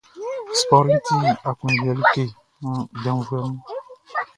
Spɔriʼn ti aklunjuɛ like nin janvuɛ mun.